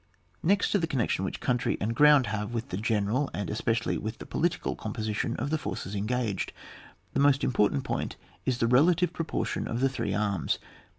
Next to the connection which country and ground have with the general, and especially with the political, composition of the forces engaged, the most important point is the relative proportion of the three arms.